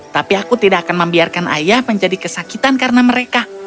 tapi aku tidak akan membiarkan ayah menjadi kesakitan karena mereka